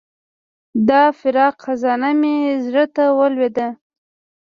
د فراق خزانه مې زړه ته ولوېده.